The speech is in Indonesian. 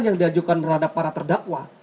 yang diajukan terhadap para terdakwa